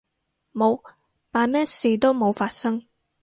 冇，扮咩事都冇發生